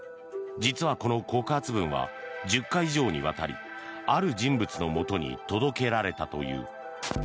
実はこの告発文は１０回以上にわたりある人物のもとに届けられたという。